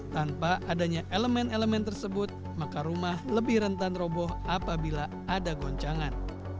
tanpa adanya elemen elemen tersebut maka rumah lebih rentan roboh apabila ada goncangan